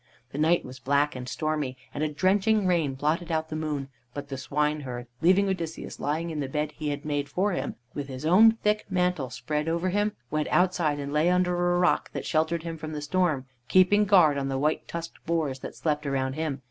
The night was black and stormy, and a drenching rain blotted out the moon, but the swineherd, leaving Odysseus lying in the bed he had made for him, with his own thick mantle spread over him, went outside and lay under a rock that sheltered him from the storm, keeping guard on the white tusked boars that slept around him.